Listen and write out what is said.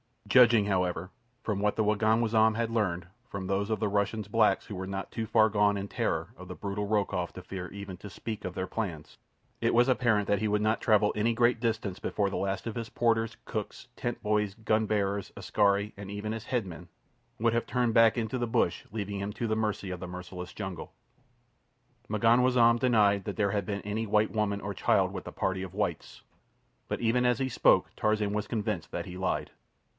Judging, however, from what the Waganwazam had learned from those of the Russian's blacks who were not too far gone in terror of the brutal Rokoff to fear even to speak of their plans, it was apparent that he would not travel any great distance before the last of his porters, cooks, tent boys, gun bearers, askari, and even his headman, would have turned back into the bush, leaving him to the mercy of the merciless jungle. M'ganwazam denied that there had been any white woman or child with the party of whites; but even as he spoke Tarzan was convinced that he lied.